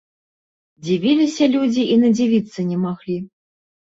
Дзівіліся людзі і надзівіцца не маглі.